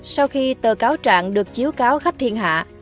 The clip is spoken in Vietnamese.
sau khi tờ cáo trạng được chiếu cáo khắp thiên hạ